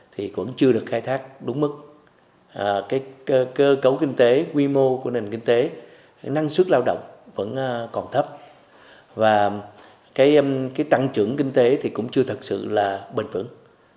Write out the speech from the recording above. thì cũng chưa được khai thác đúng mức cơ cấu kinh tế quy mô của nền kinh tế năng suất lao động vẫn còn thấp và cái tăng trưởng kinh tế thì cũng chưa thật sự là bền vững